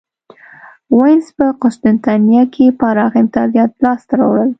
وینز په قسطنطنیه کې پراخ امیتازات لاسته راوړل.